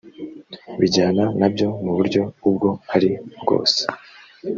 bijyana na byo mu buryo ubwo ari bwose